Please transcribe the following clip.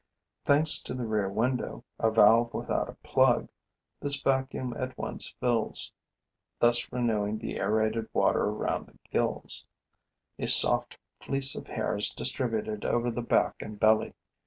Thanks to the rear window, a valve without a plug, this vacuum at once fills, thus renewing the aerated water around the gills, a soft fleece of hairs distributed over the back and belly.